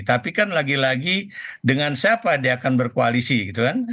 tapi kan lagi lagi dengan siapa dia akan berkoalisi gitu kan